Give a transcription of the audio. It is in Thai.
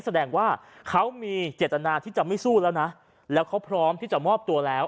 แสดงว่าเขามีเจตนาที่จะไม่สู้แล้วนะแล้วเขาพร้อมที่จะมอบตัวแล้ว